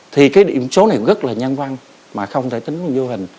thì cái điểm số này rất là nhân văn mà không thể tính vô hình